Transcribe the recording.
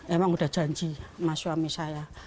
emang udah janji sama suami saya